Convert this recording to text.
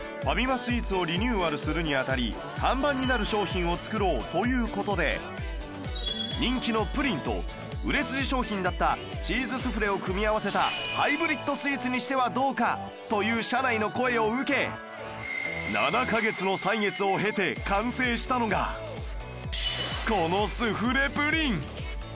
スイーツをリニューアルするにあたり看板になる商品を作ろうという事で人気のプリンと売れ筋商品だったチーズスフレを組み合わせたハイブリッドスイーツにしてはどうか？という社内の声を受け７カ月の歳月を経て完成したのがこのスフレ・プリン